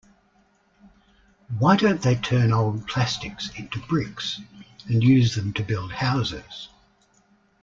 Why don't they turn old plastics into bricks and use them to build houses?